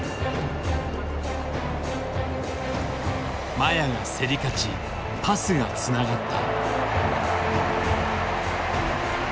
麻也が競り勝ちパスがつながった。